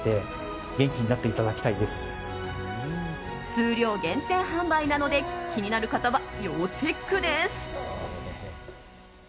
数量限定販売なので気になる方は要チェックです。